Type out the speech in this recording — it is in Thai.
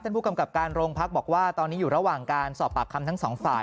ผู้กำกับการโรงพักบอกว่าตอนนี้อยู่ระหว่างการสอบปากคำทั้งสองฝ่าย